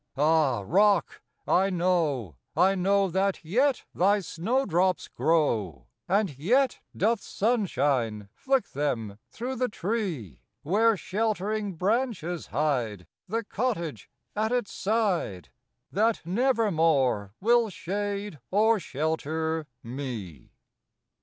Ah, rock, I know, I know That yet thy snowdrops grow, And yet doth sunshine flick them through the tree, Where sheltering branches hide The cottage at its side, That nevermore will shade or shelter me.